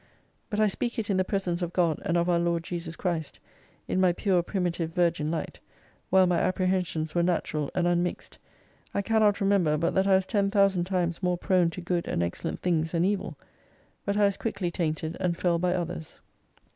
But I speak it in the presence of God and of our Lord Jesus Christ, in my pure primitive virgin Light, while my apprehensions were natural, and unmixed, I cannot remember but that I was ten thousand times more prone to good and excellent things than evil. But I was quickly tainted and fell by others.